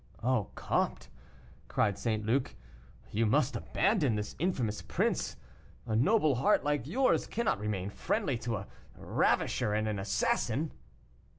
"Oh, comte," cried St. Luc, "you must abandon this infamous prince; a noble heart like yours cannot remain friendly to a ravisher and an assassin!"